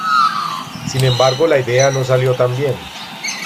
Sin embargo la idea no salió tan bien.